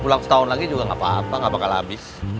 pulang setahun lagi juga gak apa apa gak bakal abis